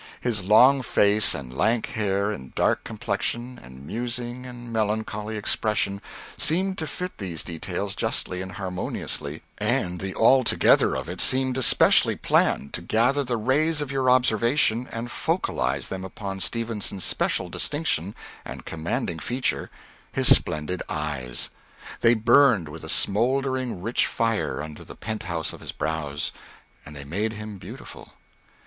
His long face and lank hair and dark complexion and musing and melancholy expression seemed to fit these details justly and harmoniously, and the altogether of it seemed especially planned to gather the rays of your observation and focalize them upon Stevenson's special distinction and commanding feature, his splendid eyes. They burned with a smouldering rich fire under the penthouse of his brows, and they made him beautiful.